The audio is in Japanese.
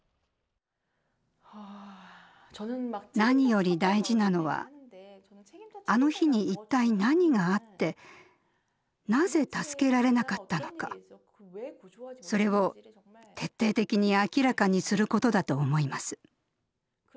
何より大事なのはあの日に一体何があってなぜ助けられなかったのかそれを徹底的に明らかにすることだと思います。